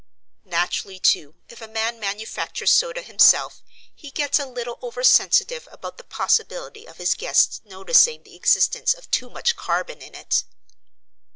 Naturally, too, if a man manufactures soda himself, he gets a little over sensitive about the possibility of his guests noticing the existence of too much carbon in it.